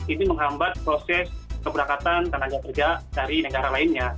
ini menghambat proses keberdekatan tanah kerja dari negara lainnya